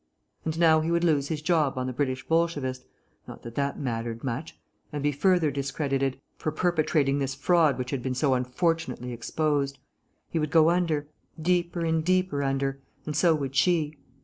And now he would lose his job on the British Bolshevist (not that that mattered much), and be further discredited, for perpetrating this fraud which had been so unfortunately exposed. He would go under, deeper and deeper under, and so would she.